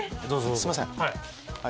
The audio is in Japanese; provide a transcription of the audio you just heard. すいません。